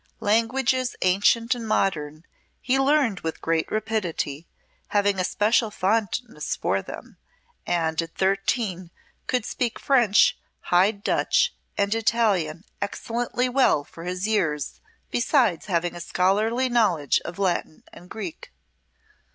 Languages ancient and modern he learned with great rapidity, having a special fondness for them, and at thirteen could speak French, high Dutch, and Italian excellently well for his years, besides having a scholarly knowledge of Latin and Greek.